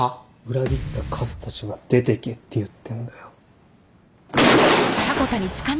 裏切ったカスたちは出てけって言ってんだよ。